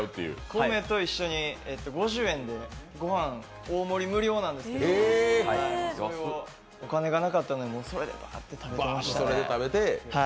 米と一緒に５０円でごはん大盛り無料なってすけどそれをお金がなかったのでバーッと食べてましたね。